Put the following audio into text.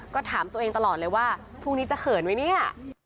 ก็ถามตัวเองตลอดเลยว่าพรุ่งนี้จะเขินไหมเนี่ย